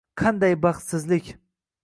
Qanday baxtsizlik